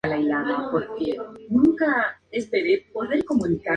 Los restauradores encargados del proyecto fueron Carmen Beatriz Castillo y Willson Alfaro.